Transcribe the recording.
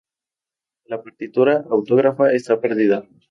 La partitura autógrafa está perdida.